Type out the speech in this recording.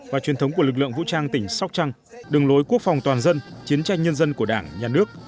và truyền thống của lực lượng vũ trang tỉnh sóc trăng đường lối quốc phòng toàn dân chiến tranh nhân dân của đảng nhà nước